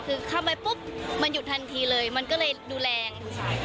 คือเข้าไปปุ๊บมันหยุดทันทีเลยมันก็เลยดูแรง